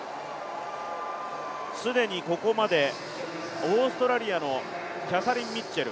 既にここまでオーストラリアのキャサリン・ミッチェル